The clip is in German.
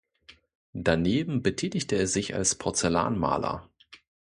Daneben betätigte er sich als Porzellanmaler.